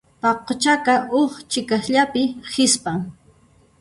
Paquchaqa huk chiqasllapi hisp'an.